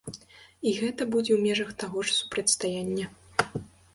І гэта будзе ў межах таго ж супрацьстаяння.